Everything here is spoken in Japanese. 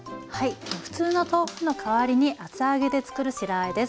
普通の豆腐の代わりに厚揚げでつくる白あえです。